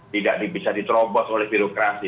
tidak bisa diterobos oleh birokrasi